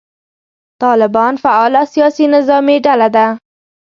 طالبان فعاله سیاسي نظامي ډله ده.